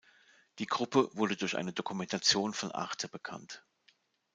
Die Gruppe wurde durch eine Dokumentation von Arte bekannt.